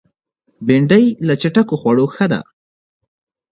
بېنډۍ له چټکو خوړو ښه ده